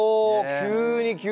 急に。